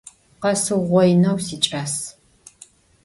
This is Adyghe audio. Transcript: Khesıuğoineu siç'as.